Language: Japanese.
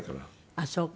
あっそうか。